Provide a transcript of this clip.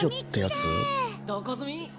どこ住み？